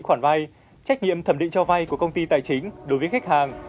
các công ty cho vay trách nhiệm thẩm định cho vay của công ty tài chính đối với khách hàng